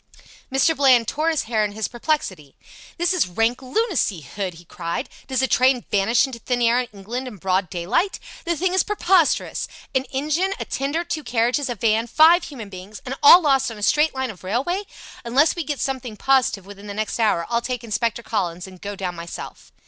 Mr. Bland tore his hair in his perplexity. "This is rank lunacy, Hood!" he cried. "Does a train vanish into thin air in England in broad daylight? The thing is preposterous. An engine, a tender, two carriages, a van, five human beings and all lost on a straight line of railway! Unless we get something positive within the next hour I'll take Inspector Collins, and go down myself."